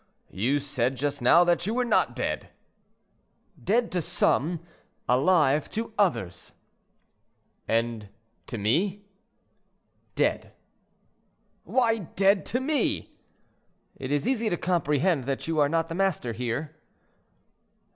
"You said just now that you were not dead." "Dead to some—alive to others." "And to me?"—"Dead." "Why dead to me?" "It is easy to comprehend that you are not the master here."